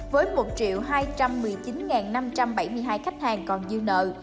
với một hai trăm một mươi chín năm trăm bảy mươi hai khách hàng còn dư nợ